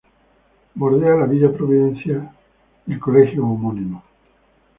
Bordea la Villa Providencia y el colegio homónimo.